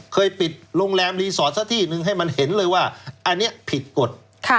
ปิดโรงแรมรีสอร์ทซะที่หนึ่งให้มันเห็นเลยว่าอันนี้ผิดกฎ